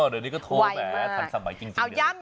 วันนี้ก็โทรแม้ทันสำมัยจริงจริง